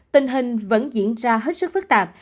tình hình vẫn diễn ra hết sức phức tạp